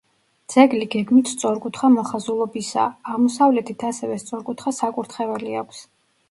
ძეგლი გეგმით სწორკუთხა მოხაზულობისაა, აღმოსავლეთით ასევე სწორკუთხა საკურთხეველი აქვს.